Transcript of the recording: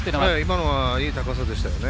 今のは、いい高さでした。